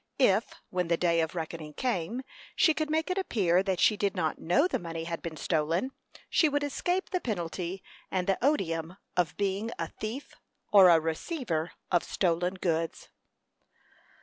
If, when the day of reckoning came, she could make it appear that she did not know the money had been stolen, she would escape the penalty and the odium of being a thief, or a receiver of stolen goods.